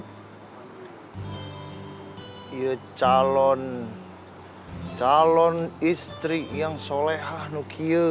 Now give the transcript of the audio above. hai ye calon calon istri yang solehah nukie